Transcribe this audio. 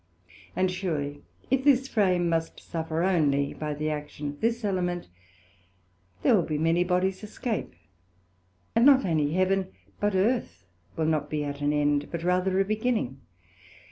And surely if this frame must suffer onely by the action of this element, there will many bodies escape, and not onely Heaven, but Earth will not be at an end, but rather a beginning.